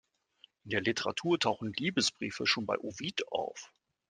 In der Literatur tauchen Liebesbriefe schon bei Ovid auf.